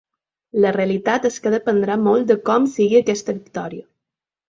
La realitat és que dependrà molt de com sigui aquesta victòria.